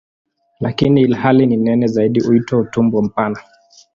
Lakini ilhali ni nene zaidi huitwa "utumbo mpana".